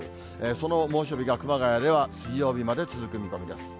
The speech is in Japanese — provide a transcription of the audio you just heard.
その猛暑日が熊谷では水曜日まで続く見込みです。